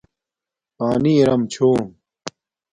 پانی ارام چھوم